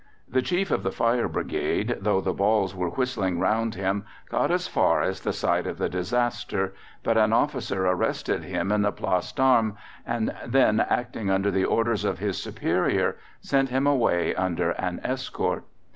The Chief of the Fire Brigade, though the balls were whistling round him, got as far as the site of the disaster; but an officer arrested him in the Place d'Armes, and then, acting under the orders of his superior, sent him away under an escort.